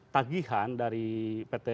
tagihan dari pt